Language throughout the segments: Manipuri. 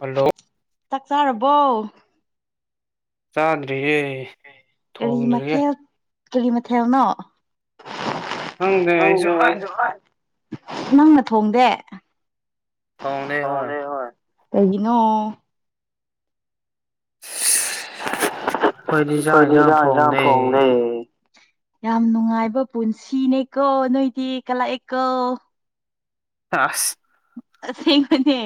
ꯍꯜꯂꯣ ꯆꯥꯛ ꯆꯥꯔꯕꯣ ꯆꯥꯗ꯭ꯔꯤꯌꯦ ꯀꯔꯤ ꯊꯣꯡꯗ꯭ꯔꯤꯌꯦ ꯃꯊꯦꯜ ꯀꯔꯤ ꯃꯊꯦꯜꯅꯣ ꯈꯪꯗꯦ ꯑꯩꯁꯨ ꯑꯁ ꯅꯪꯅ ꯊꯣꯡꯗꯦ ꯊꯣꯡꯗꯦ ꯍꯣꯏ ꯀꯩꯒꯤꯅꯣ ꯑꯩꯈꯣꯏꯗꯤ ꯈꯣꯏꯗꯤ ꯏꯟꯖꯥꯡ ꯏꯟꯁꯥꯡ ꯊꯣꯡꯗꯦ ꯌꯥꯝ ꯅꯨꯡꯉꯥꯏꯕ ꯄꯨꯟꯁꯤꯅꯦꯀꯣ ꯅꯣꯏꯗꯤ ꯀꯂꯛꯑꯦꯀꯣ ꯑꯁ ꯑꯁꯦꯡꯕꯅꯦ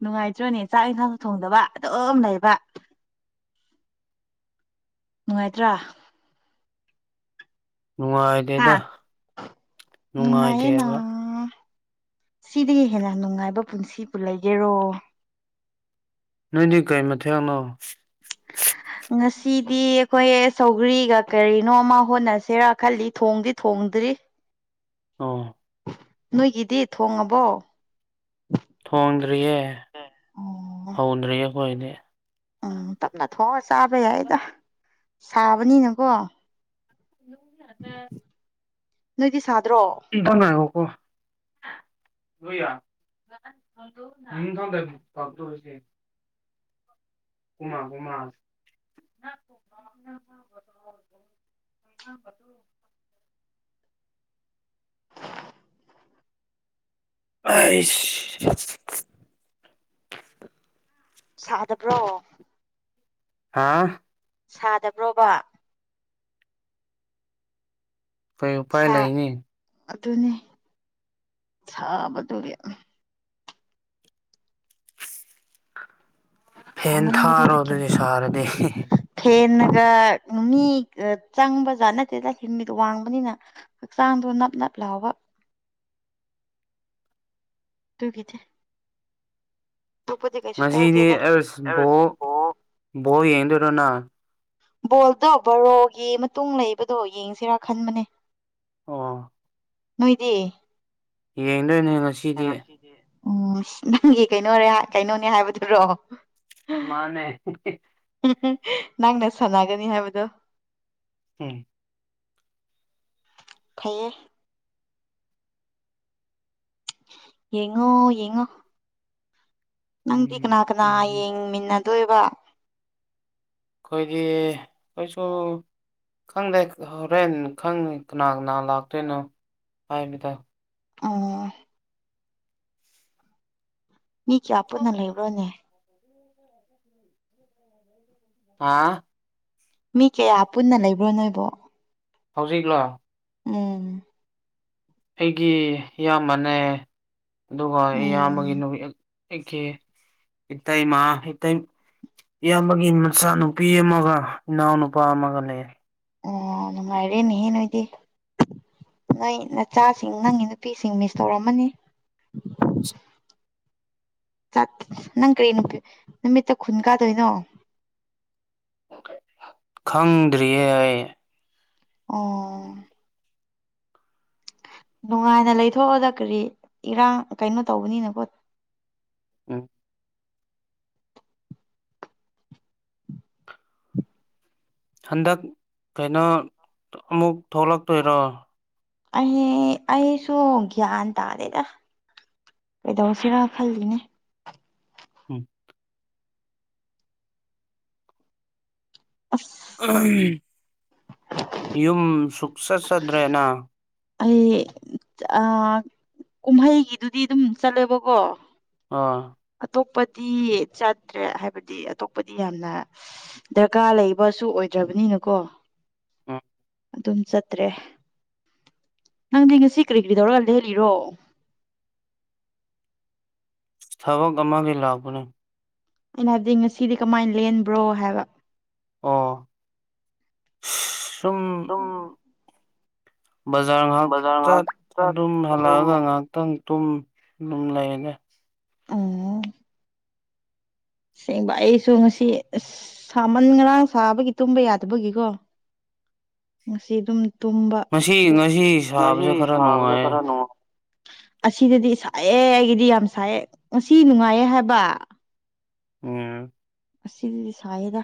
ꯅꯨꯡꯉꯥꯏꯇ꯭ꯔꯣꯅꯦ ꯆꯥꯛ ꯑꯦꯟꯁꯥꯡ ꯊꯣꯡꯗꯕ ꯑꯗꯨꯝ ꯂꯩꯕ [inaudible] ꯅꯨꯡꯉꯥꯏꯇ꯭ꯔꯥ ꯍꯥ ꯅꯨꯡꯉꯥꯏꯇꯦꯗ ꯅꯨꯡꯉꯥꯏꯌꯦꯅꯥ ꯅꯨꯡꯉꯥꯏꯇꯦꯕ ꯁꯤꯗꯒꯤ ꯍꯦꯟꯅ ꯅꯨꯡꯉꯥꯏꯕ ꯄꯨꯟꯁꯤꯕꯨ ꯂꯩꯒꯦꯔꯣ ꯅꯣꯏꯗꯤ ꯀꯩ ꯃꯊꯦꯜꯅꯣ ꯗꯤ ꯑꯈꯣꯏ ꯁꯧꯒ꯭ꯔꯤꯒ ꯀꯔꯤꯅꯣꯃ ꯍꯣꯠꯅꯁꯦꯔ ꯈꯜꯂꯤ ꯊꯣꯡꯗꯤ ꯊꯣꯡꯗ꯭ꯔꯤ ꯑꯣ ꯅꯣꯏꯒꯤꯗꯤ ꯊꯣꯡꯉꯕꯣ ꯊꯣꯡꯗ꯭ꯔꯤꯌꯦ ꯑꯣ ꯍꯧꯗ꯭ꯔꯤꯌꯦ ꯑꯈꯣꯏꯗꯤ ꯎꯝ ꯇꯞꯅ ꯊꯣꯡꯉꯒ ꯆꯥꯕ ꯌꯥꯏꯗ ꯁꯥꯕꯅꯤꯅꯀꯣ [unintelligible] ꯅꯣꯏꯗꯤ ꯁꯥ [unintelligible] [unintelligible] ꯎꯃꯥ ꯎꯃꯥ [unintelligible] [inaudible] ꯑꯩꯁ ꯁꯥꯗꯕ꯭ꯔꯣ ꯍꯥꯥ ꯁꯥꯗꯕ꯭ꯔꯣꯕꯥ ꯀꯩ ꯎꯄꯥꯏ ꯁꯥ ꯂꯩꯅꯤ ꯑꯗꯨꯅꯤ ꯁꯥꯕꯗꯨꯒꯤ ꯎꯝ ꯐꯦꯟ ꯊꯥꯔꯣ ꯁꯃꯟꯕꯗꯨꯗ ꯒ꯭ꯌꯥꯟ ꯑꯗꯨꯗꯤ ꯁꯥꯔꯗꯤ ꯐꯦꯟꯅ ꯒ ꯃꯤ ꯆꯪꯕ ꯖꯥꯠ ꯅꯠꯇꯦꯗ ꯍꯤꯡꯃꯤꯠ ꯋꯥꯡꯕꯅꯤꯅ ꯍꯛꯆꯥꯡꯗꯣ ꯅꯞ ꯅꯞ ꯂꯥꯎꯕ [inaudible] ꯇꯨ ꯒꯤꯊꯦ ꯉꯁꯤꯗꯤ ꯇꯧꯗꯦꯗ ꯑꯁ ꯕꯣꯜ ꯑꯣ ꯕꯣꯜ ꯌꯦꯡꯗꯣꯏꯔ ꯅ ꯕꯣꯜꯗꯣ ꯕꯔꯣꯒꯤ ꯃꯇꯨꯡ ꯂꯩꯕꯗꯣ ꯌꯦꯡꯁꯤꯔꯥ ꯈꯟꯕꯅꯦ ꯑꯣ ꯅꯣꯏꯗꯤ ꯌꯦꯡꯗꯣꯏꯅꯤ ꯎꯝ ꯅꯪꯒꯤ ꯀꯩꯅꯣꯔꯥ ꯀꯩꯅꯣꯅꯦ ꯍꯥꯏꯕꯗꯨꯔꯣ ꯃꯥꯟꯅꯦ ꯍꯤ ꯍꯤ ꯅꯪꯅ ꯁꯥꯟꯅꯒꯅꯤ ꯍꯥꯏꯕꯗꯣ ꯎꯝ ꯐꯩꯌꯦ ꯌꯦꯡꯉꯣ ꯌꯦꯡꯉꯣ ꯅꯪꯗꯤ ꯀꯅꯥ ꯀꯅꯥ ꯑꯩꯈꯣꯏꯗꯤ ꯌꯦꯡꯃꯤꯟꯅꯗꯣꯏꯕꯥ ꯈꯣꯏꯒꯤ ꯈꯣꯏꯁꯨ ꯈꯪꯗꯦ ꯍꯣꯔꯦꯟ ꯈꯪꯅꯤ ꯀꯅꯥ ꯀꯅꯥ ꯂꯥꯛꯇꯣꯏꯅꯣ ꯍꯥꯏꯕꯗꯣ ꯑꯣ ꯃꯤ ꯀꯥꯌꯥꯄꯨꯟꯅ ꯂꯩꯕꯔꯅꯦ ꯍꯥ ꯃꯤ ꯀꯌꯥ ꯄꯨꯟꯅ ꯂꯩꯕ꯭ꯔꯣ ꯅꯣꯏꯕꯣ ꯍꯧꯖꯤꯛꯂꯣ ꯎꯝ ꯑꯩꯒꯤ ꯏꯌꯥꯝꯕꯅꯦ ꯑꯗꯨꯒ ꯏꯌꯥꯝꯕꯒꯤ ꯎꯝ ꯅꯨꯃꯤꯠ ꯑꯩꯀꯤ ꯏꯇꯩꯃ ꯏ ꯏꯌꯥꯝꯕꯒꯤ ꯃꯆꯥꯅꯨꯄꯤ ꯑꯃꯒ ꯏꯅꯥꯎꯅꯨꯄꯥ ꯑꯃꯒ ꯂꯩꯔꯦ ꯑꯣ ꯅꯨꯡꯉꯥꯏꯔꯦꯅꯦꯍꯦ ꯅꯣꯏꯗꯤ ꯅꯣꯏ ꯅꯆꯥꯁꯤꯡ ꯅꯪꯒꯤ ꯅꯨꯄꯤꯁꯤꯡ ꯃꯤꯁ ꯇꯧꯔꯝꯃꯅꯤ [inaudible] ꯇꯠ ꯅꯪ ꯀꯔꯤ ꯅꯨ ꯅꯨꯃꯤꯠꯇ ꯈꯨꯟ ꯀꯥꯗꯣꯏꯅꯣ ꯈꯪꯗꯔꯤꯌꯦ ꯑꯩ ꯑꯣ ꯅꯨꯡꯉꯥꯏꯅ ꯂꯩꯊꯣꯛꯑꯣꯗ ꯀꯔꯤ ꯏꯔꯥꯡ ꯀꯩꯅꯣ ꯇꯧꯕꯅꯤꯅꯀꯣ ꯑ ꯍꯟꯗꯛ ꯀꯩꯅꯣ ꯑꯃꯨꯛ ꯊꯣꯛꯂꯛꯇꯣꯏꯔꯣ ꯑꯩꯍꯦ ꯑꯩꯁꯨ ꯒ꯭ꯌꯥꯟ ꯇꯥꯗꯦꯗ ꯀꯩꯗꯧꯁꯤꯔ ꯈꯜꯂꯤꯅꯦ ꯎꯝ ꯑꯁ ꯌꯨꯝ ꯁꯨꯛ ꯆꯠ ꯆꯠꯇ꯭ꯔꯦ ꯅ꯬ ꯑꯩ ꯑ ꯀꯨꯝꯍꯩꯒꯤꯗꯨꯗꯤ ꯑꯗꯨꯝ ꯆꯠꯂꯦꯕꯀꯣ ꯑꯥ ꯑꯇꯣꯞꯄꯗꯤ ꯆꯠꯇ꯭ꯔꯦ ꯍꯥꯏꯕꯗꯤ ꯑꯇꯣꯞꯄꯗꯤ ꯌꯥꯝꯅ ꯗꯔꯀꯥꯔ ꯂꯩꯕꯁꯨ ꯑꯣꯏ ꯗꯈꯔꯕꯅꯤꯅꯀꯣ ꯑꯝ ꯑꯗꯨꯝ ꯆꯠꯇ꯭ꯔꯦ ꯅꯪꯗꯤ ꯉꯁꯤ ꯀ꯭ꯔꯤ ꯀ꯭ꯔꯤ ꯇꯧꯔꯒ ꯂꯦꯜꯂꯤꯔꯣ [inaudible] ꯊꯕꯛ ꯑꯃꯒꯤ ꯂꯥꯛꯄꯅꯦ ꯑꯩꯅ ꯍꯥꯏꯕꯗꯤ ꯉꯁꯤꯗꯤ ꯀꯃꯥꯏꯅ ꯂꯦꯟꯕ꯭ꯔꯣ ꯍꯥꯏꯕ ꯑꯣ ꯁꯨꯝ ꯕꯖꯥꯔ ꯉꯍꯥꯛ ꯕꯖꯥꯔ ꯆꯠ ꯉꯥꯏꯍꯥꯛ ꯆꯠ ꯑꯗꯨꯝ ꯍꯜꯂꯛꯑꯒ ꯉꯥꯏꯍꯥꯛꯇꯪ ꯑꯗꯨꯝ ꯑꯗꯨꯝ ꯂꯩꯌꯦꯗ ꯑꯣ ꯁꯁꯦꯡꯕ ꯑꯩꯁꯨ ꯉꯁꯤ ꯑ ꯁꯥꯃꯟ ꯉꯔꯥꯡ ꯁꯥꯕꯒꯤ ꯇꯨꯝꯕ ꯌꯥꯗꯕꯒꯤꯀꯣ [inaudible] ꯉꯁꯤ ꯑꯗꯨꯝ ꯇꯨꯝꯕ ꯉꯁꯤ ꯉꯁꯤ ꯉꯁꯤ ꯁꯥꯕꯁꯦ ꯈꯔ ꯁꯥꯕꯁꯦ ꯅꯨꯡꯉꯥꯏꯌꯦ ꯈꯔꯅꯣ ꯑꯁꯤꯗꯗꯤ ꯁꯥꯏꯑꯦ ꯑꯩꯒꯤꯗꯤ ꯌꯥꯝ ꯁꯥꯏꯑꯦ ꯉꯁꯤ ꯅꯨꯡꯉꯥꯏꯌꯦ ꯍꯥꯏꯕ ꯎꯝ ꯑꯁꯦꯡꯕꯗꯤ ꯁꯥꯏꯌꯦꯗ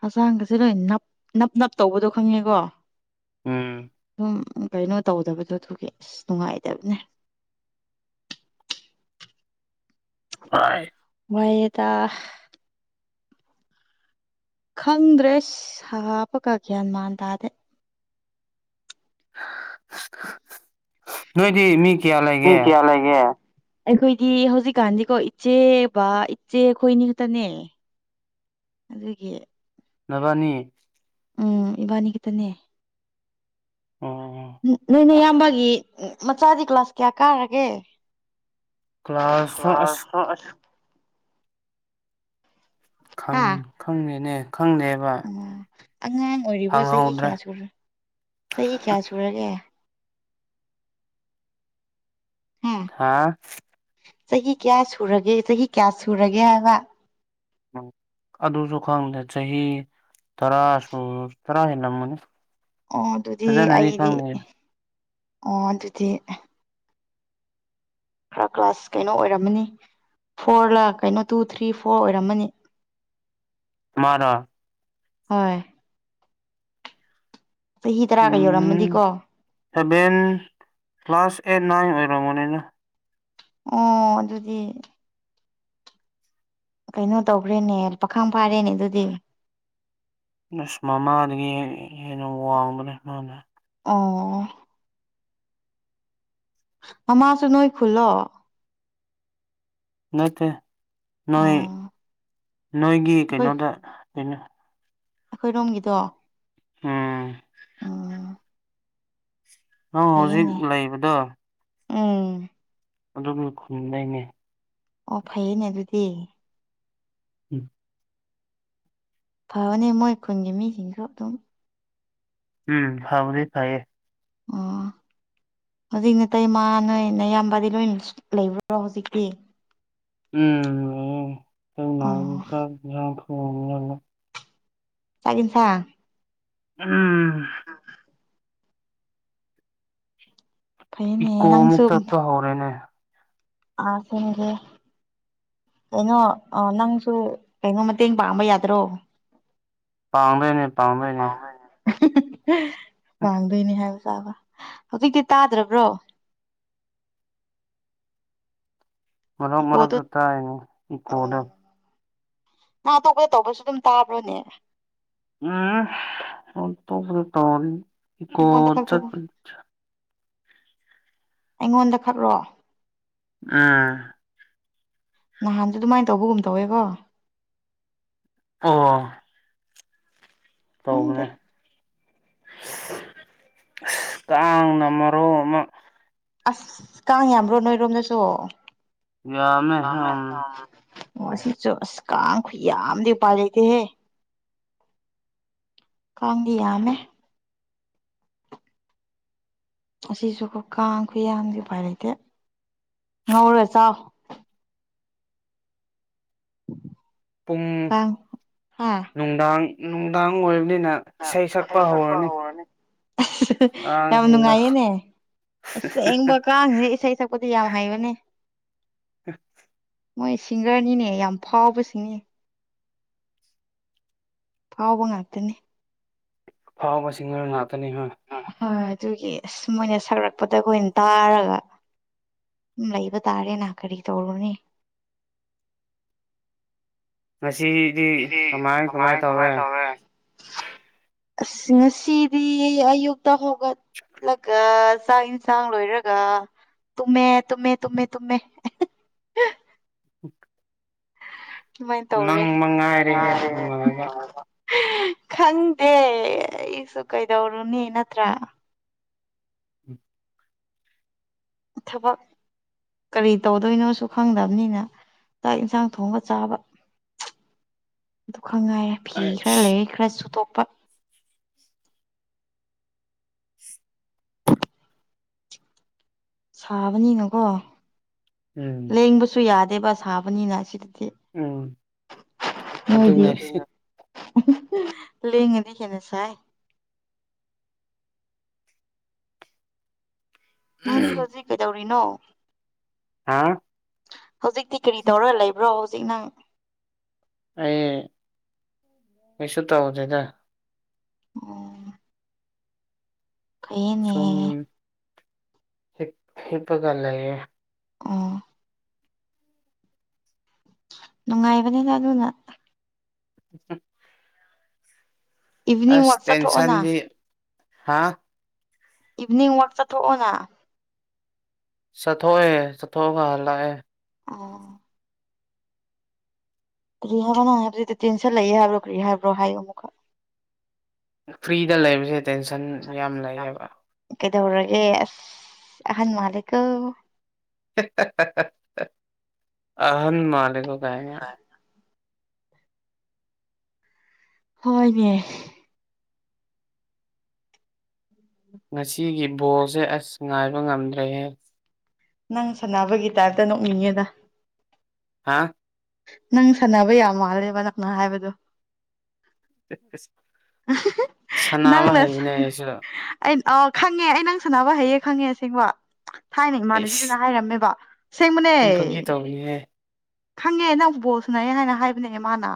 ꯍꯆꯥꯡꯒꯁꯦ ꯅꯣꯏ ꯅꯞ ꯅꯞ ꯅꯞ ꯇꯧꯕꯗꯣ ꯈꯪꯉꯦꯀꯣ ꯎꯝ ꯎꯝ ꯀꯩꯅꯣ ꯇꯧꯗꯕꯗꯣ ꯑꯗꯨꯒꯤ ꯑꯁ ꯅꯨꯡꯉꯥꯏꯇꯕꯅꯦ ꯑꯥꯏ ꯋꯥꯏꯌꯦꯗ ꯈꯪꯗ꯭ꯔꯦ ꯁꯥ ꯄꯒ ꯒ꯭ꯌꯥꯟ ꯃꯥꯟ ꯇꯥꯗꯦ [inaudible] ꯅꯣꯏꯗꯤ ꯃꯤ ꯀꯌꯥ ꯃꯤ ꯂꯩꯒꯦ ꯀꯌꯥꯂꯩꯒꯦ ꯑꯩꯈꯣꯏꯒꯤ ꯍꯧꯖꯤꯛꯀꯥꯟꯗꯤꯀꯣ ꯏꯆꯦ ꯕ ꯏꯆꯦ ꯑꯈꯣꯏꯅꯤ ꯈꯛꯇꯅꯦ ꯑꯗꯨꯒꯤ ꯅꯕꯅꯤ ꯎꯝ ꯏꯕꯥꯅꯤ ꯈꯠꯇꯅꯦ ꯑꯣ ꯅꯣꯏꯅꯦ ꯌꯥꯝ ꯕꯒꯤ ꯃꯆꯥꯗꯤ ꯀ꯭ꯂꯥꯁ ꯀꯌꯥ ꯀꯥꯒ꯭ꯔꯒꯦ ꯀ꯭ꯂꯥꯁ ꯇꯣ ꯑꯁ ꯈꯪ ꯈꯪꯗꯦꯅꯦ ꯈꯪꯗꯦꯕ ꯑꯣ ꯑꯉꯥꯡ ꯑꯣꯏꯔꯤꯕ꯭ꯔꯣ ꯆꯍꯤ ꯍꯪꯍꯧꯗ꯭ꯔꯦ ꯀꯌꯥ ꯁꯨꯔ ꯆꯍꯤ ꯀꯌꯥ ꯁꯨꯔꯒꯦ ꯍꯥ ꯍꯥꯥ ꯆꯍꯤ ꯀꯌꯥ ꯁꯨꯔꯒꯦ ꯆꯍꯤ ꯀꯌꯥ ꯁꯨꯔꯒꯦ ꯍꯥꯏꯕ ꯎ ꯑꯗꯨꯁꯨ ꯈꯪꯗꯦ ꯆꯍꯤ ꯇꯔꯥꯁꯨ ꯇꯔꯥ ꯍꯦꯜꯂꯝꯅꯤ ꯑꯣ ꯑꯗꯨꯗꯤ ꯑꯩꯗꯤ ꯑꯣ ꯑꯗꯨꯗꯤ ꯈꯔ ꯀ꯭ꯂꯥꯁ ꯀꯩꯅꯣ ꯑꯣꯏꯔꯝꯃꯅꯤ ꯐꯣꯔ ꯂ ꯀꯩꯅꯣ ꯇꯨ ꯊ꯭ꯔꯤ ꯐꯣꯔ ꯑꯣꯏꯔꯝꯃꯅꯤ ꯃꯥꯔ ꯍꯣꯏ ꯆꯍꯤ ꯎ ꯇꯔꯥꯒ ꯌꯧꯔꯝꯃꯗꯤꯀꯣ ꯁꯚꯦꯟ ꯀ꯭ꯂꯥꯁ ꯑꯦꯠ ꯅꯥꯏꯟ ꯑꯣꯏꯔꯝꯒꯅꯤꯗ ꯑꯣ ꯑꯗꯨꯗꯤ ꯀꯩꯅꯣ ꯇꯧꯈ꯭ꯔꯦꯅꯦ ꯄꯥꯈꯥꯡ ꯐꯥꯔꯦꯅꯦ ꯑꯗꯨꯗꯤ ꯑꯁ ꯃꯃꯥꯗꯒꯤ ꯍꯦꯟꯅ ꯋꯥꯡꯕꯅꯦ ꯃꯥꯅ ꯑꯣ ꯃꯃꯥꯁꯨ ꯅꯣꯏ ꯈꯨꯜꯂꯣ ꯅꯠꯇꯦ ꯅꯣꯏ ꯎꯝ ꯅꯣꯏꯒꯤ ꯀꯩꯅꯣꯗ ꯀꯩꯅꯣ ꯑꯩꯈꯣꯏ ꯔꯣꯝꯒꯤꯗꯣ ꯎꯝ ꯅꯪ ꯍꯧꯖꯤꯛ ꯐꯩꯌꯦꯅꯦ ꯂꯩꯕꯗꯣ ꯎꯝ ꯑꯗꯨꯒꯤ ꯈꯨꯟꯗꯩꯅꯦ ꯑꯣ ꯐꯩꯌꯦꯅꯦ ꯑꯗꯨꯗꯤ [inaudible] ꯐꯕꯅꯤ ꯃꯣꯏ ꯈꯨꯟꯒꯤ ꯃꯤꯁꯤꯡꯁꯨ ꯑꯗꯨꯝ ꯎꯝ ꯐꯕꯗꯤ ꯐꯩꯌꯦ ꯑꯣ ꯍꯧꯖꯤꯛ ꯅꯇꯩ ꯃꯥ ꯅꯣꯏꯅꯌꯥꯝꯕꯗꯤ ꯂꯣꯏ ꯂꯩꯕ꯭ꯔꯣ ꯍꯧꯖꯤꯛꯇꯤ ꯎꯝ ꯑꯣ [inaudible] ꯆꯥꯛ ꯏꯟꯁꯥꯡ ꯑꯝ ꯐꯩꯅꯦ ꯏꯀꯣ ꯑꯃꯨꯛ ꯅꯪꯁꯨ ꯆꯠꯄ ꯍꯧꯔꯦꯅꯦ ꯑꯥ [unintelligible] ꯀꯩꯅꯣ ꯅꯪꯁꯨ ꯀꯩꯅꯣ ꯃꯇꯦꯡ ꯄꯥꯡꯕ ꯌꯥꯗ꯭ꯔꯣ ꯄꯥꯡꯗꯣꯏꯅꯦ ꯄꯥꯡꯗꯣꯏꯅꯦ ꯥꯄꯥꯡꯗꯣꯏꯅꯦ ꯍꯥꯏꯕ ꯍꯧꯖꯤꯛꯇꯤ ꯇꯥꯗ꯭ꯔꯕ꯭ꯔꯣ ꯃꯔ ꯏꯀꯣꯗꯣ ꯃꯔꯛꯇ ꯇꯥꯏꯅꯦ ꯏꯀꯣꯗ ꯎꯝ ꯅꯪ ꯑꯇꯣꯞꯄꯗ ꯇꯧꯕꯁꯨ ꯑꯗꯨꯝ ꯇꯥꯕ꯭ꯔꯣꯅꯦ ꯑꯩꯉꯣꯟꯗ ꯈꯛꯇ [unintelligible] ꯑꯩꯉꯣꯟꯗ ꯈꯛꯔꯣ ꯑꯥ ꯅꯍꯥꯟꯁꯨ ꯑꯗꯨꯃꯥꯏꯅ ꯇꯧꯕꯒꯨꯝ ꯇꯧꯋꯦꯕꯣ ꯑꯣ ꯈꯪꯗꯦ ꯇꯧꯕꯅꯦ ꯑꯁ ꯀꯥꯡꯅ ꯃꯔꯣꯃ ꯑꯁ ꯀꯥꯡ ꯌꯥꯝꯕ꯭ꯔꯣ ꯅꯣꯏꯔꯣꯝꯗꯁꯨ ꯌꯥꯝꯃꯦ ꯎꯝ ꯑꯣ ꯁꯤꯆꯨ ꯑꯁ ꯀꯥꯡ ꯈꯨꯌꯥꯝꯗꯤ ꯎꯄꯥꯏ ꯂꯩꯇꯦꯍꯦ ꯀꯥꯡꯗꯤ ꯌꯥꯝꯃꯦ ꯑꯁꯤꯁꯨ ꯕ ꯀꯥꯡ ꯈꯨꯌꯥꯝ ꯗꯤ ꯎꯄꯥꯏ ꯂꯩꯇꯦ ꯉꯧꯔ ꯆꯥꯎ [inaudible] ꯄꯨꯡ ꯀꯥꯡ ꯍꯥ ꯅꯨꯡꯗꯥꯡ ꯅꯨꯡꯗꯥꯡ ꯑꯣꯏ ꯏꯁꯩ ꯁꯛꯄ ꯍꯧꯔꯅꯤ ꯌꯥꯝ ꯀꯥꯡꯁꯤꯡꯅ ꯅꯨꯡꯉꯥꯏꯌꯦꯅꯦ ꯑꯁꯦꯡꯕ ꯀꯥꯡꯖꯦ ꯏꯁꯩ ꯁꯛꯄꯗꯤ ꯌꯥꯝ ꯍꯩꯕꯅꯦ [inaudible] ꯃꯣꯏ ꯁꯤꯡꯒ꯭ꯔꯅꯤꯅꯦ ꯌꯥꯝ ꯐꯥꯎꯕꯁꯤꯡꯅꯤ ꯐꯥꯎꯕ ꯉꯥꯛꯇꯅꯤ ꯐꯥꯎꯕ ꯁꯤꯡꯒꯔ ꯉꯥꯛꯇꯅꯤ ꯍꯥ ꯗꯨꯒꯤ ꯑꯁ ꯃꯣꯏꯅ ꯁꯥꯔꯛꯄꯗ ꯈꯣꯏꯅ ꯇꯥꯔꯒ ꯎꯝ ꯂꯩꯕ ꯇꯥꯔꯦꯅꯥ ꯀꯔꯤ ꯇꯧꯔꯨꯅꯤ [inaudible] ꯁꯤꯗꯤ ꯀꯃꯥꯏ ꯀꯃꯥꯏ ꯇꯧꯔꯦ ꯑꯁ ꯉꯁꯤꯗꯤ ꯑꯌꯨꯛꯇ ꯍꯧꯒꯠ ꯂꯒ ꯆꯥꯛ ꯏꯟꯁꯥꯡ ꯂꯣꯏꯔꯒ ꯇꯨꯝꯃꯦ ꯇꯨꯝꯃꯦ ꯇꯨꯝꯃꯦ ꯇꯨꯝꯃꯦ ꯑꯍꯤ [inaudible] [inaudible] ꯁꯨꯃꯥꯏꯟ ꯅꯪ ꯇꯧꯔꯦ ꯃꯉꯥꯏꯔꯦꯍꯦ ꯉꯥꯔꯦ ꯅꯨꯡꯉꯥꯏꯕ ꯅꯨꯉꯥꯏꯕ ꯈꯪꯗꯦ ꯑꯩꯁꯨ ꯀꯩꯗꯧꯔꯨꯅꯤ ꯅꯠꯇ꯭ꯔꯥ [inaudible] ꯊꯕꯛ ꯀꯔꯤ ꯇꯧꯗꯣꯏꯅꯣꯁꯨ ꯈꯪꯗꯕꯅꯤꯅ ꯆꯥꯛ ꯌꯦꯟꯁꯥꯡ ꯊꯣꯡꯉ ꯆꯥꯕ [inaudible] ꯈꯉꯥꯏ ꯐꯤ ꯈꯔ ꯑꯩꯁ ꯂꯩꯌꯦ ꯈꯔ ꯁꯨꯗꯣꯛꯄ ꯁꯥꯕꯅꯤꯅꯀꯣ ꯎꯝ ꯂꯦꯡꯕꯁꯨ ꯌꯥꯗꯦꯕ ꯁꯥꯕꯅꯤꯅ ꯁꯤꯗ ꯎꯝ ꯅꯣꯏꯒꯤ ꯑꯗꯨꯅꯦ ꯂꯦꯡꯉꯗꯤ ꯍꯦꯟꯅ ꯁꯥꯏ ꯅꯪꯗꯤ ꯍꯧꯖꯤꯛ ꯀꯩꯗꯧꯔꯤꯅꯣ ꯍꯥꯥ ꯍꯧꯖꯤꯛꯇꯤ ꯀꯔꯤ ꯇꯧꯔ ꯂꯩꯕ꯭ꯔꯣ ꯍꯧꯖꯤꯛ ꯅꯪ ꯑꯩ ꯀꯩꯁꯨ ꯇꯧꯗꯦꯗ ꯑꯣ ꯐꯩꯌꯦꯅꯦ ꯁꯨꯝ ꯍꯤꯞ ꯍꯤꯞꯄꯒ ꯂꯩꯌꯦ ꯑꯣ ꯅꯨꯡꯉꯥꯏꯕꯅꯤꯗ ꯑꯗꯨꯅ [inaudible] ꯏꯚꯤꯅꯤꯡ ꯑꯁ ꯋꯥꯛ ꯆꯠꯊꯣꯛꯑꯣꯅ ꯇꯦꯟꯁꯟꯗꯤ ꯍꯥꯥ ꯏꯚꯤꯅꯤꯡ ꯋꯥꯛ ꯆꯠꯊꯣꯛꯑꯣꯅ ꯆꯠꯊꯣꯛꯑꯦ ꯆꯠꯊꯣꯛꯑꯒ ꯍꯥꯜꯂꯛꯑꯦ ꯑꯣ ꯀꯔꯤ ꯍꯥꯏꯕ ꯅꯪ ꯍꯥꯏꯕꯖꯤꯗꯤ ꯇꯦꯟꯁꯟ ꯂꯩꯑꯦ ꯍꯥꯏꯕ꯭ꯔꯣ ꯀ꯭ꯔꯤ ꯍꯥꯏꯕ꯭ꯔꯣ ꯍꯥꯏꯌꯨ ꯑꯃꯨꯛꯀ ꯐ꯭ꯔꯤꯗ ꯂꯩꯕꯁꯦ ꯇꯦꯟꯁꯟ ꯌꯥꯝ ꯂꯩꯌꯦꯕ ꯀꯩꯗꯧꯔꯒꯦ ꯑꯁ ꯑꯍꯟ ꯃꯥꯜꯂꯦꯀꯣ ꯍꯦꯍꯦꯍꯍ ꯍ ꯑꯍꯟ ꯃꯥꯜꯂꯦꯀꯣ ꯀꯥꯏꯅ ꯍꯣꯏꯅꯦ ꯉꯁꯤꯒꯤ ꯕꯣꯜꯁꯦ ꯑꯁ ꯉꯥꯏꯕ ꯉꯝꯗ꯭ꯔꯦꯍꯦ ꯅꯪ ꯁꯥꯟꯅꯕꯒꯤ ꯇꯥꯏꯞꯇ ꯅꯣꯛꯅꯤꯡꯉꯦꯗ ꯍꯥꯥ ꯅꯪ ꯁꯥꯟꯅꯕ ꯌꯥꯝ ꯃꯥꯜꯂꯦꯕ ꯅꯪꯅ ꯍꯥꯏꯕꯗꯨ ꯎꯍꯍ ꯁꯥꯟꯅꯕ ꯅꯪꯅ ꯁ ꯍꯩꯕꯅꯦ ꯑꯩꯁꯨ ꯑꯩ ꯑꯧ ꯈꯪꯉꯦ ꯑꯩ ꯅꯪ ꯁꯥꯟꯅꯕ ꯍꯩꯌꯦ ꯈꯪꯉꯦ ꯑꯁꯦꯡꯕ ꯊꯥꯏꯅ ꯑꯩꯁ ꯏꯃꯥꯟꯅꯕꯤꯗꯨꯅ ꯍꯥꯏꯔꯝꯃꯦꯕ ꯑꯁꯦꯡꯕꯅꯦ ꯁꯨꯝ ꯐꯥꯒꯤ ꯇꯧꯕꯅꯦꯍꯦ ꯈꯪꯉꯦ ꯅꯪ ꯕꯣꯜ ꯁꯥꯟꯅꯩꯌꯦ ꯍꯥꯏꯅ ꯍꯥꯏꯕꯅꯦ ꯃꯥꯅ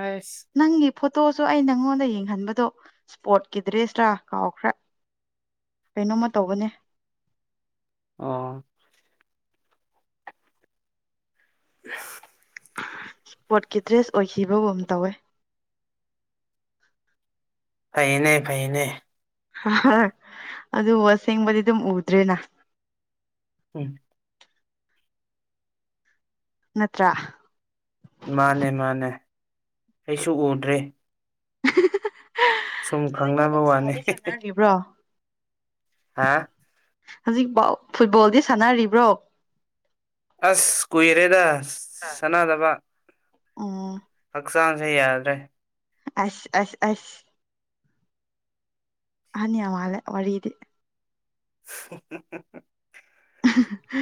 ꯑꯩꯁ ꯅꯪꯒꯤ ꯐꯣꯇꯣꯁꯨ ꯑꯩ ꯅꯪꯉꯣꯟꯗ ꯌꯦꯡꯍꯟꯕꯗꯣ ꯁ꯭ꯄꯣꯔꯠꯀꯤ ꯗ꯭ꯔꯦꯁꯔ ꯀꯥꯎꯈ꯭ꯔꯦ ꯀꯩꯅꯣꯝꯃ ꯇꯧꯕꯅꯦ ꯑꯣ [inaudible] ꯁ꯭ꯄꯣꯔꯠꯀꯤ ꯗ꯭ꯔꯦꯁ ꯑꯣꯏꯈꯤꯕꯒꯨꯝ ꯇꯧꯋꯦ ꯐꯩꯌꯦꯅꯦ ꯐꯩꯌꯦꯅꯦ ꯑꯍ ꯑꯗꯨꯕꯨ ꯑꯁꯦꯡꯕꯗꯤ ꯑꯗꯨꯝ ꯎꯗ꯭ꯔꯦꯅ ꯎꯝ ꯅꯠꯇ꯭ꯔꯥ ꯃꯥꯅꯦ ꯃꯥꯅꯦ ꯑꯩꯁꯨ ꯎꯗ꯭ꯔꯦ ꯍꯍꯍꯍ ꯍꯧꯖꯤꯛꯐꯥꯎ ꯈꯪꯅꯕ ꯑꯗꯨꯝ ꯋꯥꯅꯤ ꯁꯥꯗꯤ ꯁꯥꯟꯅꯔꯤꯕ꯭ꯔꯣ ꯍꯥ ꯍꯧꯖꯤꯛꯕꯥꯎ ꯐꯨꯠꯕꯣꯜꯗꯤ ꯁꯥꯟꯅꯔꯤꯕ꯭ꯔꯣ ꯑꯁ ꯀꯨꯏꯔꯦꯗ ꯁꯥꯅꯗꯕ ꯑꯣ ꯍꯛꯆꯥꯡꯁꯦ ꯌꯥꯗ꯭ꯔꯦ ꯑꯁ ꯑꯁ ꯑꯁ ꯑꯍꯟ ꯌꯥꯝ ꯃꯥꯜꯂꯦ ꯋꯥꯔꯤꯗꯤ ꯍ ꯍꯍꯍꯍ ꯑꯍꯥ ꯍ